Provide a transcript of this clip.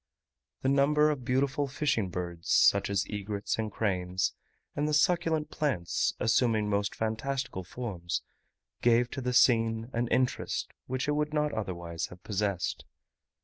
The number of beautiful fishing birds, such as egrets and cranes, and the succulent plants assuming most fantastical forms, gave to the scene an interest which it would not otherwise have possessed.